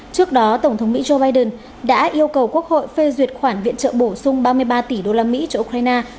trước đó tổng thống mỹ joe biden đã yêu cầu quốc hội phê duyệt khoản viện trợ bổ sung ba mươi ba tỷ usd cho ukraine